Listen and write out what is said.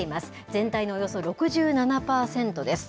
全体のおよそ６７％です。